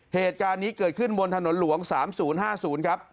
เหตุการณ์นี้เกิดขึ้นบนถนนหลวง๓๐๕๐ครับ